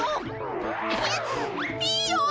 ピーヨン！